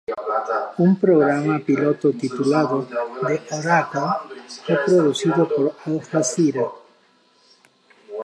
Un programa piloto titulado "The Oracle" fue producido por Al-Jazeera.